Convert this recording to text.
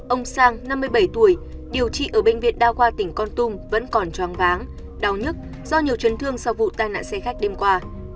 ông sang năm mươi bảy tuổi điều trị ở bệnh viện đa khoa tỉnh con tum vẫn còn choáng váng đau nhức do nhiều chấn thương sau vụ tai nạn xe khách đêm qua